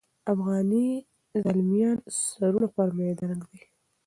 افغاني زلمیان سرونه پر میدان ږدي.